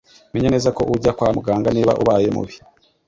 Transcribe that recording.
Menya neza ko ujya kwa muganga niba ubaye mubi.